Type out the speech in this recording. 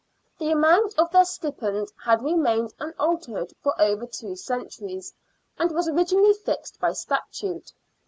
The amount of their stipend had remained unaltered for over two centuries, and was originally fixed by statute.